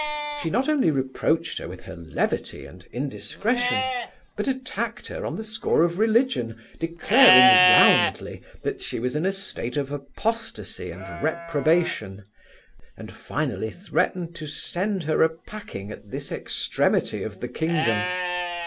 She not only reproached her with her levity and indiscretion, but attacked her on the score of religion, declaring roundly that she was in a state of apostacy and reprobation; and finally, threatened to send her a packing at this extremity of the kingdom.